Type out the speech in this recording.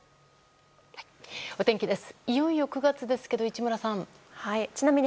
お天気です。